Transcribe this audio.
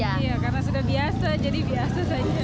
iya karena sudah biasa jadi biasa saja